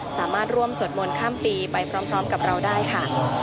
สามารถร่วมสวดมนต์ข้ามปีไปพร้อมกับเราได้ค่ะ